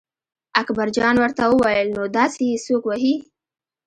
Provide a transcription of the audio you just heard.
اکبرجان ورته وویل نو داسې یې څوک وهي.